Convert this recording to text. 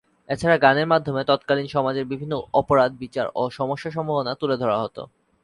এছাড়া গানের মাধ্যমে তৎকালিন সমাজের বিভিন্ন অপরাধ, বিচার ও সমস্যা-সম্ভাবনা তুলে ধরা হতো।